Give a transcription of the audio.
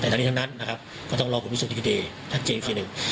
ดังนั้นนะครับก็ต้องรอคุณวิสุทธิคอีเดช์สัตวิทธิคีหนึ่ง